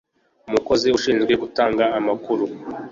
Umukozi ushinzwe gutanga amakuru